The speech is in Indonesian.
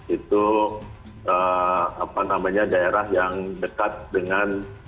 itu daerah yang dekat dengan